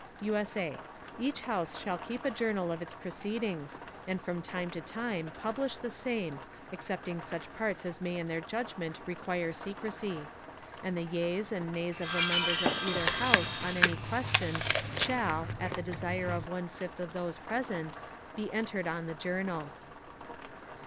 [USA] Each House shall keep a Journal of its Proceedings, and from time to time publish the same, excepting such Parts as may in their Judgment require Secrecy; and the Yeas and Nays of the Members of either House on any question shall, at the Desire of one fifth of those Present, be entered on the Journal.